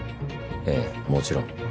ええもちろん。